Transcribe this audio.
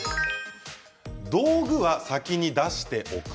道具は先に出しておく。